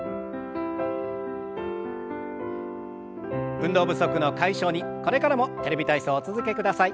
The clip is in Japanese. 運動不足の解消にこれからも「テレビ体操」お続けください。